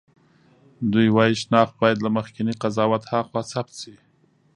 دوی وايي شناخت باید له مخکېني قضاوت هاخوا ثبت شي.